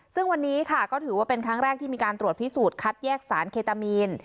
ซึ่งวันนี้ค่ะก็ถือว่าเป็นครั้งแรกที่มีการตรวจพิสูจน์คัดแยกสารเคตามีน